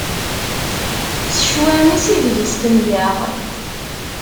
S cwami-s ideg i stenyeɣ.